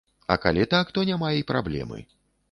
А калі так, то няма і праблемы.